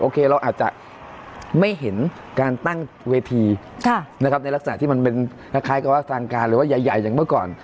เราอาจจะไม่เห็นการตั้งเวทีนะครับในลักษณะที่มันเป็นคล้ายกับว่าทางการหรือว่าใหญ่อย่างเมื่อก่อน